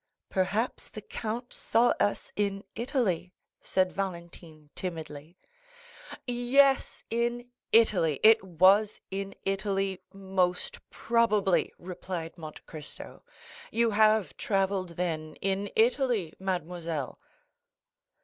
"Perhaps the count saw us in Italy," said Valentine timidly. "Yes, in Italy; it was in Italy most probably," replied Monte Cristo; "you have travelled then in Italy, mademoiselle?"